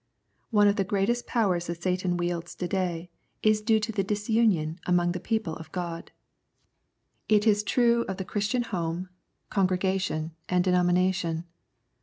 One of the greatest powers that Satan wields to day is due to the disunion 82 Conflict and Comfort among the people of God. It is true of the Christian home, congregation, and de nomination.